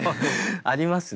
ありますね。